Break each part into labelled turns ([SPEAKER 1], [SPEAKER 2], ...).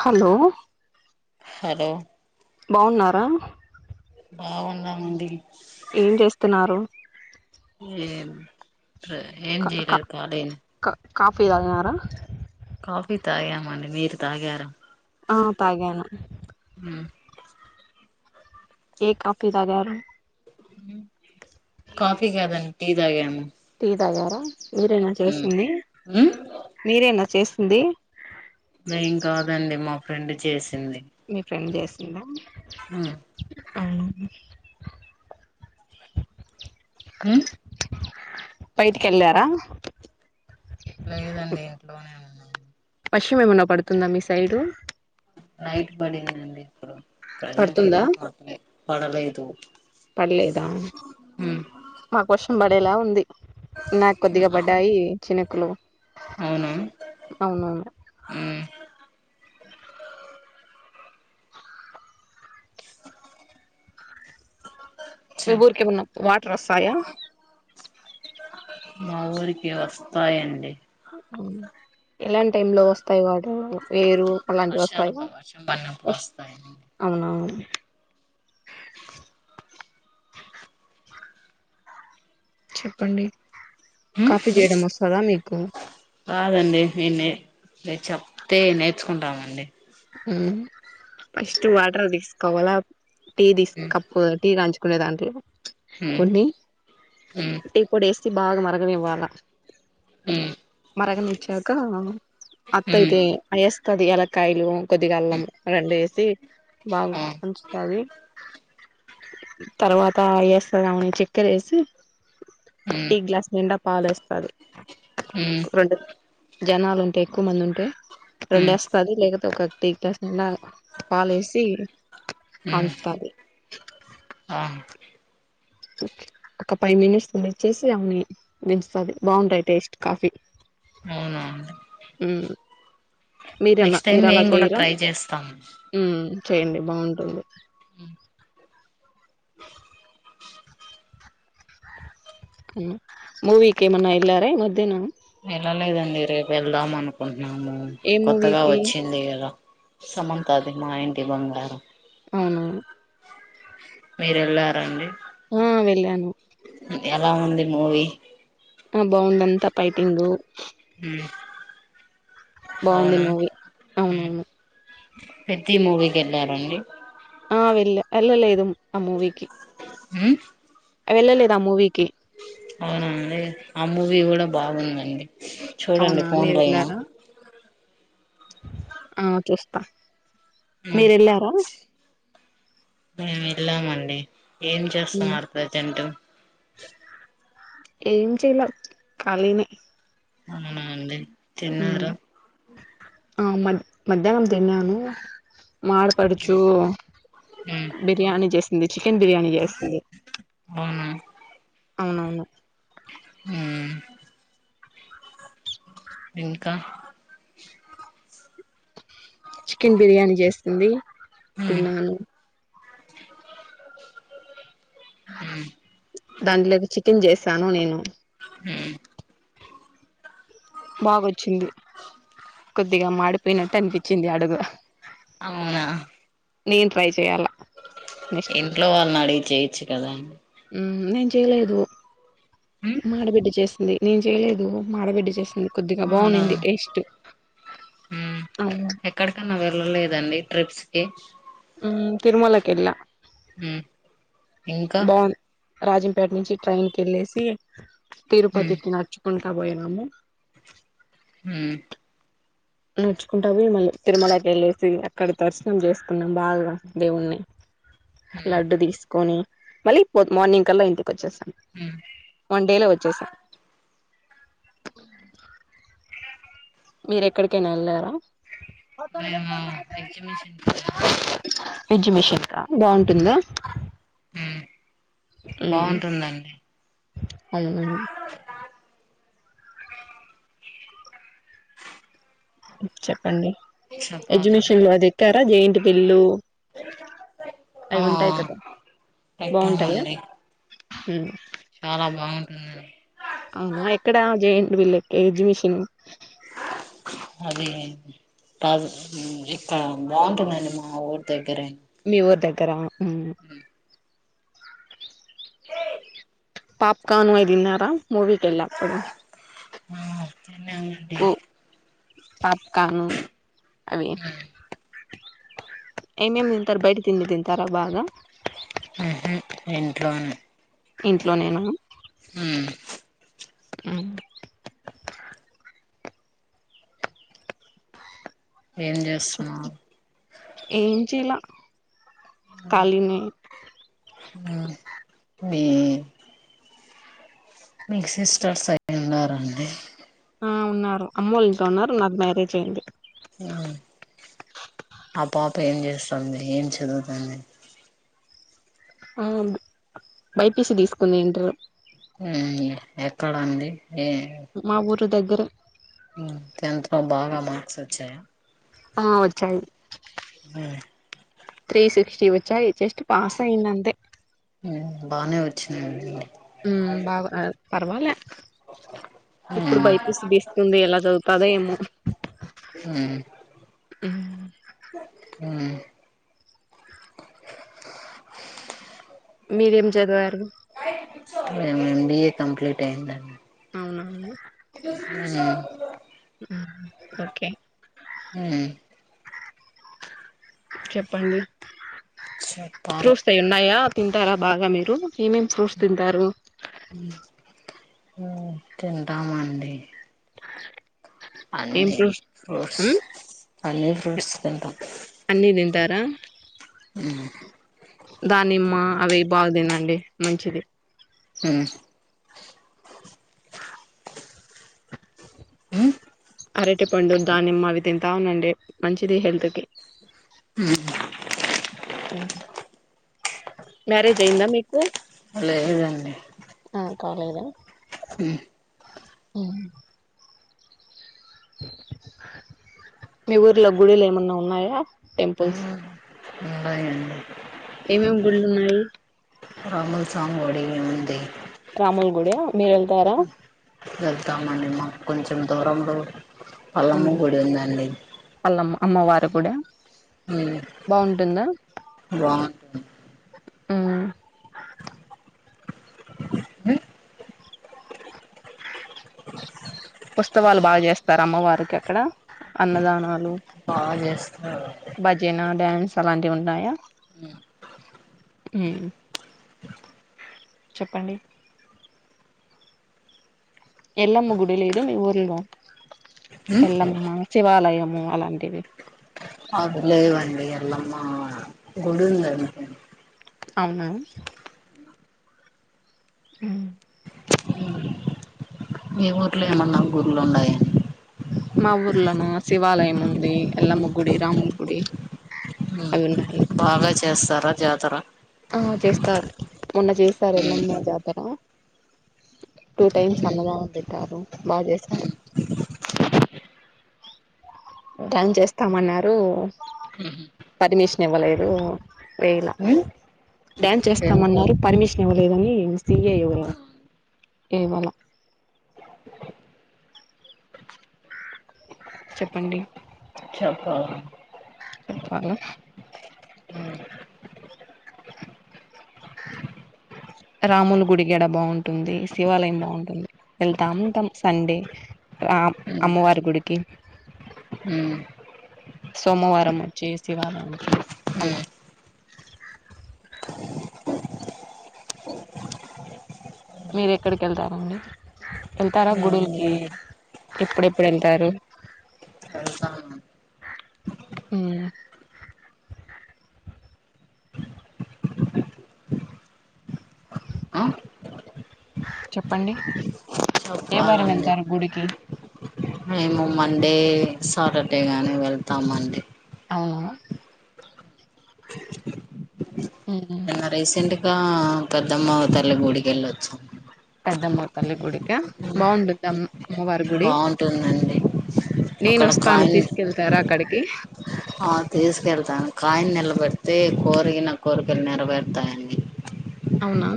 [SPEAKER 1] Hello
[SPEAKER 2] హరె
[SPEAKER 1] బావున్నారా
[SPEAKER 2] బావున్నామండి
[SPEAKER 1] ఏం చేస్తున్నారు
[SPEAKER 2] ఏమ్ ప్రా ఏం
[SPEAKER 1] కా కా
[SPEAKER 2] జేయటలె కాలినే
[SPEAKER 1] కా కాఫీ తాగారా
[SPEAKER 2] కాఫీ తాగామండి మీర్ తాగార
[SPEAKER 1] ఆ తాగాను
[SPEAKER 2] ఉమ్
[SPEAKER 1] ఏ కాఫీ తాగారు
[SPEAKER 2] హ్మ్ కాఫీ గాదన్ టీ తాగాను
[SPEAKER 1] టీ తాగారా మీరేనా చేసింది
[SPEAKER 2] మ్
[SPEAKER 1] మీరేనా చేసింది
[SPEAKER 2] నేన్ కాదండి మా ఫ్రెండ్ చేసింది
[SPEAKER 1] మీ ఫ్రెండ్ చేసిందా
[SPEAKER 2] హ్మ్
[SPEAKER 1] అవును
[SPEAKER 2] హ్మ్
[SPEAKER 1] బైటికెళ్ళారా
[SPEAKER 2] లేదండి ఇంట్లోనే ఉన్నామ్
[SPEAKER 1] వర్షం ఏమనా పడుతుందా మీ సైడు
[SPEAKER 2] నైట్ పడిందండి ఇప్పుడు ప్రజెంట్
[SPEAKER 1] పడుతుందా
[SPEAKER 2] అయితే పడ్లె పడలేదు హ్మ్
[SPEAKER 1] మాక్ వర్షం బడేలా ఉంది నాక్ కొద్దిగా పడ్డాయి చినుకులు
[SPEAKER 2] అవునా
[SPEAKER 1] అవునవును
[SPEAKER 2] మ్
[SPEAKER 1] మీ
[SPEAKER 2] చెప్
[SPEAKER 1] ఊరికేమన్న వాటర్ వస్తాయా
[SPEAKER 2] మా ఊరికి వస్తాయండి
[SPEAKER 1] ఎలాంటి టైమ్ లో వస్తయ్ వాటర్ ఏరు
[SPEAKER 2] వర్షాలు బా వర్షం బడినపుడు వస్తాయ్ నీ
[SPEAKER 1] అవునవును చెప్పండి కాఫీ జెయడం వస్తదా మీకు
[SPEAKER 2] రాదండి మేం నేే మీర్ చెప్తే నేర్చుకుంటామండి
[SPEAKER 1] ఉమ్ ఫస్ట్ వాటర్ తీసుకోవాలా టీ తీస్
[SPEAKER 2] ఉమ్
[SPEAKER 1] కప్ కొ టీ కాంచుకునే దాంట్ల కొన్ని
[SPEAKER 2] ఉమ్
[SPEAKER 1] టి పొడి యెసి బాగా మరగ నివ్వాల
[SPEAKER 2] ఉమ్
[SPEAKER 1] మరగనిచ్చాక
[SPEAKER 2] ఉమ్ ఉమ్
[SPEAKER 1] అత్తయితే అయేస్తది ఎలకాయలు కొద్దిగ అల్లం రెండు యెసి బామ్
[SPEAKER 2] ఆ
[SPEAKER 1] కాంచుతాది తర్వాత అయేస్తదమె చక్కరేసి
[SPEAKER 2] ఉమ్
[SPEAKER 1] టీ గ్లాస్ నిండా పాలేస్తది
[SPEAKER 2] హ్మ్
[SPEAKER 1] రెండు జనాలు ఉంటె ఎక్కువ్ మందుంటే రెండు
[SPEAKER 2] ఉమ్
[SPEAKER 1] ఎస్తది లేక్పోతే ఒక డికాషన్ లాగ పాలేసి
[SPEAKER 2] ఉమ్
[SPEAKER 1] కాంచుతాది
[SPEAKER 2] ఆ
[SPEAKER 1] ఒక పై మినిట్స్ వెయిట్ చేసి అవుని దించుతాది బాగుంటాయ్ టేస్ట్ కాఫీ
[SPEAKER 2] ఆ
[SPEAKER 1] హ్మ్ మీరన్నా
[SPEAKER 2] నెక్స్ట్ టైం
[SPEAKER 1] మీరలా
[SPEAKER 2] నేను కూడా
[SPEAKER 1] చేయరా
[SPEAKER 2] ట్రై చేస్తాను
[SPEAKER 1] ఉం చేయండి బావుంటుంది హ్మ్ మూవికేమన్నా ఎల్లారా ఈ మధ్యన
[SPEAKER 2] వెళ్ళలేదండి రేపు వెళ్దాం అనుకుంట్నాము
[SPEAKER 1] ఏ
[SPEAKER 2] కొత్తగా
[SPEAKER 1] మూవీకి
[SPEAKER 2] వచ్చింది గదా సమంతాది మా ఇంటి బంగారం.
[SPEAKER 1] అవునా
[SPEAKER 2] మీరెళ్ళారా అండి
[SPEAKER 1] ఉం వెళ్ళాను
[SPEAKER 2] ఎలా ఉంది మూవీ?
[SPEAKER 1] ఆ బాగుందంతా పైటింగు
[SPEAKER 2] ఉం
[SPEAKER 1] బాగుంది
[SPEAKER 2] అవున
[SPEAKER 1] మూవీ
[SPEAKER 2] ఉం
[SPEAKER 1] అవునవును
[SPEAKER 2] పెద్ది మూవీకి ఎళ్ళారా అండి
[SPEAKER 1] ఆ వెళ్ళ ఎళ్ళలేదు ఆ మూవీకి
[SPEAKER 2] హ్మ్
[SPEAKER 1] వెళ్ళలేద్ ఆ మూవీకి
[SPEAKER 2] అవునా అండి ఆ మూవీ గూడా బాగుందండి చూడండి
[SPEAKER 1] అవునా మీరు
[SPEAKER 2] ఫోన్లాయినా
[SPEAKER 1] వెళ్ళారా ఆ చుస్త
[SPEAKER 2] ఉం మేమ్ వెళ్ళామండి ఏం
[SPEAKER 1] మ్మ్
[SPEAKER 2] చేస్తున్నారు ప్రజెంటు
[SPEAKER 1] ఏం చేయల ఖాళీనే
[SPEAKER 2] అవునా అండి తిన్నార
[SPEAKER 1] ఆం మద్ మధ్యాహ్నం తిన్నాను మా ఆడపడుచు
[SPEAKER 2] ఉమ్
[SPEAKER 1] బిర్యానీ చేసింది చికెన్ బిర్యానీ చేస్తుంది
[SPEAKER 2] అవున
[SPEAKER 1] అవునవును
[SPEAKER 2] ఉం ఇంకా
[SPEAKER 1] కెన్ బిర్యానీ జేస్తుంది తినాలి
[SPEAKER 2] ఉం
[SPEAKER 1] దాంట్లోకి చికెన్ జేసాను నేను
[SPEAKER 2] హ్మ్
[SPEAKER 1] బాగొచ్చింది కొద్దిగా మాడిపోయినట్ట్ అనిపిచ్చింది అడుగు
[SPEAKER 2] అవునా
[SPEAKER 1] నేన్ ట్రై చేయ్యాలా
[SPEAKER 2] ఇంట్లో వాళ్ళ్ని అడిగి చేయొచ్చు కదాండి
[SPEAKER 1] ఉం నేన్ చేయలేదు మా అడబిడ్డ చేస్ ంది నేన్ చేయ్లేదు మాడబిడ్డ చేసింది కొద్దిగా
[SPEAKER 2] అవునా
[SPEAKER 1] బాగునింది టెస్ట్
[SPEAKER 2] ఎక్కడకన్నా వెళ్ళలేదా అండి ట్రిప్స్ కి
[SPEAKER 1] ఉం తిరుమలకెళ్ళా
[SPEAKER 2] హ్మ్ ఇంకా
[SPEAKER 1] రాజంపేట్ నుంచి ట్రైన్ కి ఎళ్ళేసి
[SPEAKER 2] ఉమ్
[SPEAKER 1] తిరుపతికి నడుచుకుంటా బోయినాము
[SPEAKER 2] ఉం
[SPEAKER 1] నడుచుకుంట పోయే తిరుమలకి వెళ్ళేసి అక్కడ దర్శనం చేసుకున్నాం బాగా దేవున్నీ
[SPEAKER 2] ఉమ్
[SPEAKER 1] లడ్డు తీసుకొని మళ్ళీ పో మార్నింగ్ కల్ల ఇంటికోచ్చేస్తాం
[SPEAKER 2] ఉమ్
[SPEAKER 1] వన్డేలో వచ్చేసాం మీరు ఎక్కడికైనా ఏళ్ళారా
[SPEAKER 2] మేము ఎగ్జిబిషన్కి వెళ్ళాం
[SPEAKER 1] ఎక్సిబిషన్క బాగుంటుందా
[SPEAKER 2] మ్మ్ బాగుంటుందండి
[SPEAKER 1] అవున చెప్పండి
[SPEAKER 2] చెప్పాలండి
[SPEAKER 1] ఎడ్యుకేషన్ లో అది ఎక్కారా జయింటి బిళ్ళు అవి
[SPEAKER 2] ఆ
[SPEAKER 1] ఉంటయి కదా బాగుంటయా
[SPEAKER 2] పెట్టామండి చాలా బాగుంటుంది
[SPEAKER 1] అవున ఎక్కడ జాయింట్ ఎగ్జిమిషన్
[SPEAKER 2] అది టాదు ఇక్కడ బాగుంటుందండి మా ఊరి దగ్గరే
[SPEAKER 1] మీ ఊరు దగ్గర
[SPEAKER 2] ఉమ్
[SPEAKER 1] పాప్కార్న్ మీ తిన్నారా మూవీకిళ్లాప్పుడు
[SPEAKER 2] ఆ తిన్నాం
[SPEAKER 1] కు పాపకాను అవి
[SPEAKER 2] మ్మ్
[SPEAKER 1] ఏ మేం తింటరు బయట తిండి తింటారా బాగా
[SPEAKER 2] ఉహు ఇంట్లోనే
[SPEAKER 1] ఇంట్లోనేన
[SPEAKER 2] మ్మ్ ఏం చేస్తున్నవు
[SPEAKER 1] ఏం చేయలె ఖళీనే
[SPEAKER 2] ఉమ్ బి మీకు సిస్టర్స్ అయి ఉన్నారండి
[SPEAKER 1] ఆ ఉన్నారు అమ్మోలెట్లో ఉన్నారు నాక్ మ్యారేజ్ అయ్యంది
[SPEAKER 2] ఉమ్ ఆ పాప ఏం చేస్తుంది ఏం చదువుతుంది
[SPEAKER 1] ఉమ్ బైపీసి తీసుకుంది ఇంటరు
[SPEAKER 2] ఉమ్ ఎక్కడండి ఎ
[SPEAKER 1] మా ఊరు దగ్గరే
[SPEAKER 2] టెన్త్ లో బాగా మార్క్స్ వచ్చాయా
[SPEAKER 1] ఆ వచ్చాయి
[SPEAKER 2] ఉమ్
[SPEAKER 1] త్రీ సిక్స్టీ వచ్చాయి జస్ట్ పాస్ అయింది అంతే
[SPEAKER 2] బానే వచ్చినయండి
[SPEAKER 1] ఉమ్ బా పర్వాలే ఇప్పుడు
[SPEAKER 2] మ్మ్
[SPEAKER 1] బైపిసి తీసుకుంది ఎలా చదువుతదో ఏమో
[SPEAKER 2] ఉమ్
[SPEAKER 1] ఉమ్
[SPEAKER 2] ఉమ్
[SPEAKER 1] మీరేం చదివారు
[SPEAKER 2] మేం ఎబీఏ కంప్లీట్ అయిందండి
[SPEAKER 1] అవునవును
[SPEAKER 2] ఉమ్ హ
[SPEAKER 1] ఓకే చెప్పండి
[SPEAKER 2] చెప్పాలి
[SPEAKER 1] ఫ్రూట్స్ తే ఉన్నాయా తింటారా బాగా మీరు ఏమేమి ఫ్రూట్స్ తింటారు
[SPEAKER 2] తింటామండి
[SPEAKER 1] ఏం
[SPEAKER 2] అన్నీ
[SPEAKER 1] ఫ్రూట్స్
[SPEAKER 2] ఫ్రూట్స్
[SPEAKER 1] ఉమ్
[SPEAKER 2] అన్నీ ఫ్రూట్స్ తింటాం
[SPEAKER 1] అన్ని తింటారా
[SPEAKER 2] ఆ
[SPEAKER 1] దానిమ్మ అవి బాగా తినండి మంచిది
[SPEAKER 2] ఊ మ్మ్
[SPEAKER 1] అరటి పండు దానిమ్మ అవి తింటా ఉండండి మంచిది హెల్త్ కి
[SPEAKER 2] ఉ
[SPEAKER 1] మ్యారేజ్ అయ్యిందా మీకు
[SPEAKER 2] లేదండి
[SPEAKER 1] ఆ కాలేదా మీ ఊర్లో గుడిలు ఏమన్నా ఉన్నాయా టెంపుల్స్
[SPEAKER 2] ఉన్నాయండి
[SPEAKER 1] ఏమేం గుళ్ళు ఉన్నాయి
[SPEAKER 2] రాముల స్వామి గుడి ఉంది
[SPEAKER 1] రాముల గుడా మీరు వెళ్తారా
[SPEAKER 2] వెళ్తామండి మాకు కొంచెం దూరంలో మల్లమ్మ గుడి ఉందండి
[SPEAKER 1] మల్లమ్మ అమ్మవారి గుడా
[SPEAKER 2] మ్మ్
[SPEAKER 1] బాగుంటుందా
[SPEAKER 2] బాగుంటుంది
[SPEAKER 1] ఆ ఉత్సవాలు బాగా చేస్తార అమ్మవారికి అక్కడ అన్నదానాలు
[SPEAKER 2] బాగా చేస్తారు
[SPEAKER 1] భజన డ్యాన్స్ అలాంటివి ఉన్నాయా ఉ చెప్పండి ఎల్లమ్మ గుడి లేదు మీ ఊర్లో
[SPEAKER 2] మ్మ్
[SPEAKER 1] ఎల్లమ్మ శివాలయము అలాంటివి
[SPEAKER 2] అవి లేవండి ఎల్లమ్మ గుడి ఉందండి
[SPEAKER 1] అవునా హా
[SPEAKER 2] మీ ఊర్లో ఏమన్నా గుళ్ళు ఉన్నాయా
[SPEAKER 1] మా ఊర్లోన శివాలయం ఉంది ఎల్లమ్మ గుడి రాముల గుడి అవి ఉన్నాయి
[SPEAKER 2] బాగా చేస్తారా జాతర
[SPEAKER 1] ఆ చేస్తారు మొన్న చేసారు ఎళ్ళమ్మ జాతర టూ టైమ్స్ అన్నదానం పెట్టారు బాగా చేసారు డాన్స్ చేస్తామన్నారు పరిమిషన్ ఇవ్వలేదు వేయలా
[SPEAKER 2] ఉమ్
[SPEAKER 1] డ్యాన్స్
[SPEAKER 2] తెల్
[SPEAKER 1] చేస్తామన్నారు పర్మిషన్ ఇవ్వలేదని సిఏ ఎవరో
[SPEAKER 2] అవును
[SPEAKER 1] ఇవ్వలా చెప్పండి
[SPEAKER 2] చెప్పాలా
[SPEAKER 1] చెప్పాలా రాముల గుడిగడ బాగుంటుంది శివాలయం బాగుంటుంది వెళ్తా ఉంటాం సండే రామ్ అమ్మవారి గుడికి
[SPEAKER 2] ఉ
[SPEAKER 1] సోమవారం చేసే వాళ్ళము అలా
[SPEAKER 2] ఉమ్
[SPEAKER 1] మీరు ఎక్కడికి ఎళ్తారండి ఎళ్తారా గుడిలకి ఎప్పుడు ఎప్పుడు ఎళ్ళ్తారు
[SPEAKER 2] ఎల్తాన్
[SPEAKER 1] ఉమ్
[SPEAKER 2] ఆ
[SPEAKER 1] చెప్పండి ఏ వారం
[SPEAKER 2] చెప్పాలండి
[SPEAKER 1] ఎళ్తారు గుడికి
[SPEAKER 2] మేము మండే సాటర్డే గాని వెళ్తాం మండి
[SPEAKER 1] అవునా ఉమ్
[SPEAKER 2] నిన్న రీసెంట్ గా పెద్దమ్మ అవతల్లి గుడికి ఎళ్ళొచ్చామ్
[SPEAKER 1] పెద్దమ్మ తల్లి గుడిక బాగుండిదమ్ అమ్మవారి గుడి
[SPEAKER 2] బాగుంటుందండి
[SPEAKER 1] నేను
[SPEAKER 2] అక్కడ
[SPEAKER 1] వస్తాను
[SPEAKER 2] కాయిన్
[SPEAKER 1] తీసుకెళ్తారా అక్కడికి
[SPEAKER 2] ఆ తీసుకెళ్తాను కాయన్ నిలబెడితే కోరిన కోరికలు నిరవేర్తాయని
[SPEAKER 1] అవునా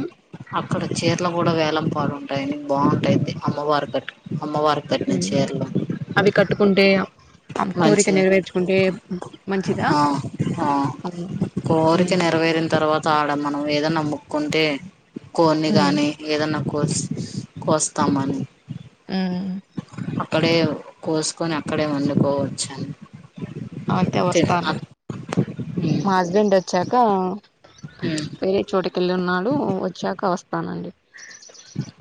[SPEAKER 2] అక్కడ చీరలు గూడా వేలం పాడుంటాయని బాగుంటాయి అమ్మవారి కట్టు అమ్మవారి కట్టిన
[SPEAKER 1] ఉ
[SPEAKER 2] చీరలు
[SPEAKER 1] అవి కట్టుకుంటే ఆ కోరిక
[SPEAKER 2] మంచి
[SPEAKER 1] నెరవేర్చుకుంటే మంచిదా
[SPEAKER 2] ఆ ఆ
[SPEAKER 1] అవును
[SPEAKER 2] కోరిక నెరవేరిన తర్వాత ఆడ మనం ఏదోనా మ్ముకుంటే కోన్ని
[SPEAKER 1] ఉమ్
[SPEAKER 2] గాని ఏదన్నా కోస్ కోస్తామని
[SPEAKER 1] ఉమ్
[SPEAKER 2] అక్కడే కోసుకొని అక్కడే వండుకోవచ్చు అని
[SPEAKER 1] అయితే వస్తా
[SPEAKER 2] ఉమ్
[SPEAKER 1] మా హస్బెండ్ ఒచ్చాక
[SPEAKER 2] ఉమ్
[SPEAKER 1] వేరే చోటుకెళ్లి ఉన్నాడు వచ్చాక వస్తానండి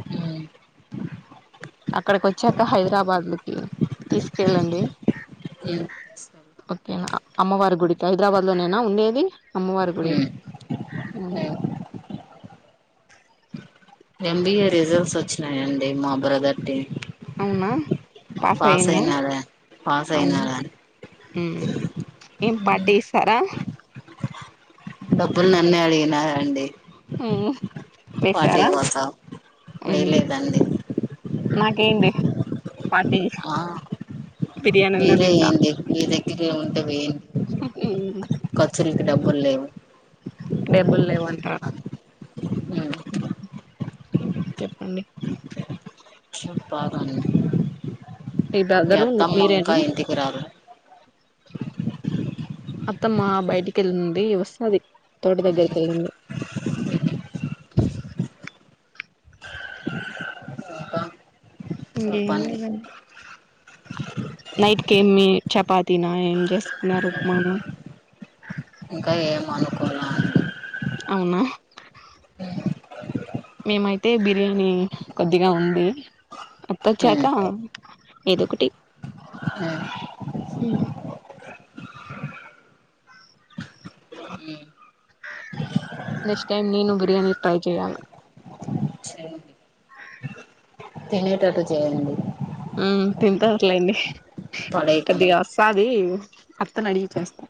[SPEAKER 2] ఉమ్
[SPEAKER 1] అక్కడికి ఒచ్చాక హైదరాబాద్కి తీసుకెళ్ళండి
[SPEAKER 2] ఉమ్
[SPEAKER 1] ఓకేనా అమ్మవారి గుడికి హైదరాబాద్ లోనేనా ఉండేది అమ్మవారి గుడి
[SPEAKER 2] ఉమ్
[SPEAKER 1] ఉహు
[SPEAKER 2] ఉమ్ ఎంబీఏ రిజల్ట్స్ వచ్చినాయండి మా బ్రదర్ది
[SPEAKER 1] అవునా పాస్ అయిండా
[SPEAKER 2] అయినాడా పాస్
[SPEAKER 1] అవును
[SPEAKER 2] అయినాడా అని
[SPEAKER 1] మ్ ఏం పార్టి ఇస్తారా
[SPEAKER 2] డబ్బులు నిన్నే అడిగిన అండి
[SPEAKER 1] ఉమ్ హ
[SPEAKER 2] పార్టి కోసాం వేయలేదండి
[SPEAKER 1] నాకేంటి పార్టీ
[SPEAKER 2] ఆ
[SPEAKER 1] బిర్యానీ అన్న
[SPEAKER 2] మీరే
[SPEAKER 1] తింటా
[SPEAKER 2] ఎయండి మీ దగ్గర ఉంటే వేయండి
[SPEAKER 1] ఉమ్
[SPEAKER 2] ఖర్చులకి డబ్బులు లేవు
[SPEAKER 1] డబ్బులు లేవంటార చెప్పండి
[SPEAKER 2] ప్పగానే మీ
[SPEAKER 1] బ్రదరు
[SPEAKER 2] అత్తమ్మ
[SPEAKER 1] మీరేనా
[SPEAKER 2] ఇంకా ఇంటికి రాద
[SPEAKER 1] అత్తమ్మ బయటికి వెళ్ళింది వస్తది తోట దగ్గరికి ఎళ్ళింది
[SPEAKER 2] ఇంకా
[SPEAKER 1] ఎమ్
[SPEAKER 2] చెప్పండి
[SPEAKER 1] లెదండి నైట్ క ఏమి చపాతీన ఏం చేసుకున్నారు ఉప్మానా
[SPEAKER 2] ఇంకా ఏం అనుకోలే
[SPEAKER 1] అవునా మేమైతే బిర్యానీ కొద్దిగా ఉంది అత్తోచ్చాకా ఏదోకటి
[SPEAKER 2] హా
[SPEAKER 1] హ్మ్
[SPEAKER 2] ఉమ్ ఉమ్
[SPEAKER 1] నెక్స్ట్ టైమ్ నేను బిర్యానీ ట్రై చెయ్యాల
[SPEAKER 2] చేయండి తినేటట్టు చేయండి
[SPEAKER 1] మ్ తింటర్లేండి కొద్దిగ
[SPEAKER 2] పడేయకుండా
[SPEAKER 1] అస్తాది అత్తనడిగి చేస్తా